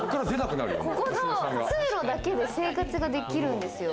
ここの通路だけで生活ができるんですよ。